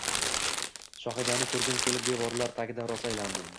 Shohidani ko‘rgim kelib devorlar tagida rosa aylandim